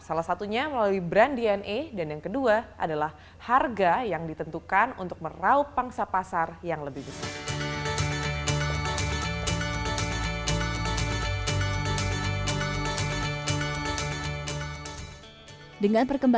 salah satunya melalui brand dna dan yang kedua adalah harga yang ditentukan untuk meraup pangsa pasar yang lebih besar